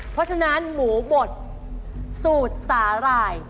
เพราะฉะนั้นหมูบดสูตรสาหร่าย